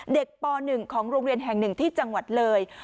เด็กป๑ของโรงเรียนแห่ง๑ที่จังหวัดเลย